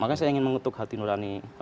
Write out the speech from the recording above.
makanya saya ingin mengetuk hati nurani